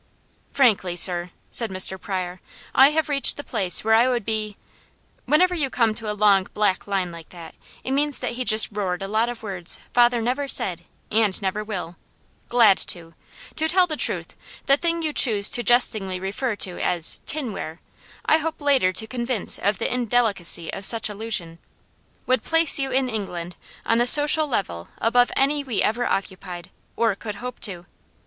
"Frankly sir," said Mr. Pryor, "I have reached the place where I would be " whenever you come to a long black line like that, it means that he just roared a lot of words father never said, and never will "glad to! To tell the truth, the thing you choose to jestingly refer to as 'tinware' I hope later to convince of the indelicacy of such allusion would place you in England on a social level above any we ever occupied, or could hope to.